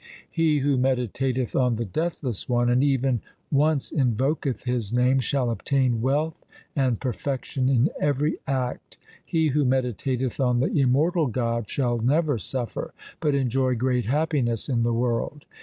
He who meditateth on the Deathless One and even once invoketh His name, shall obtain wealth and perfection in every act. He who meditateth on the immortal God shall never suffer, but enjoy great happiness in the world.